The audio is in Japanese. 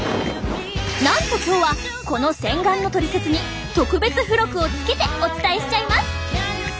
なんと今日はこの洗顔のトリセツに特別付録をつけてお伝えしちゃいます。